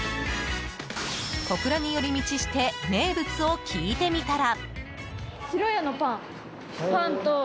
小倉に寄り道して名物を聞いてみたら。